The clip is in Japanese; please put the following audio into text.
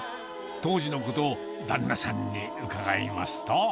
当時のことを旦那さんに伺いますと。